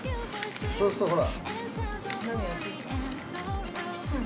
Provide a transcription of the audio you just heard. そうするとほら。